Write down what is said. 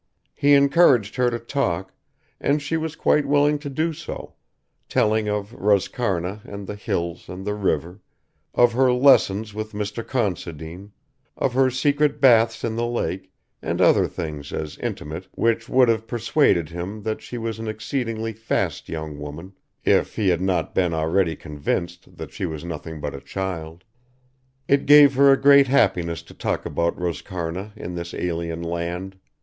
He encouraged her to talk, and she was quite willing to do so, telling of Roscarna and the hills and the river, of her lessons with Mr. Considine, of her secret bathes in the lake and other things as intimate which would have persuaded him that she was an exceedingly fast young woman if he had not been already convinced that she was nothing but a child. It gave her a great happiness to talk about Roscarna in this alien land.